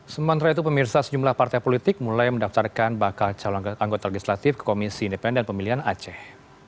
sementara itu pemirsa sejumlah partai politik mulai mendaftarkan bakal calon anggota legislatif ke komisi independen pemilihan aceh